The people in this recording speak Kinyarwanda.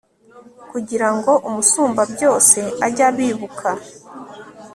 kugira ngo umusumbabyose ajye abibuka